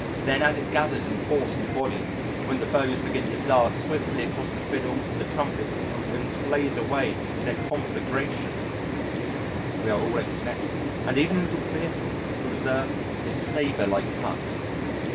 Then as it gathers in force and volume, when the bows begin to dart swiftly across the fiddles and the trumpets and trombones blaze away in a conflagration, we are all expectant and even a little fearful, to observe his sabre like cuts.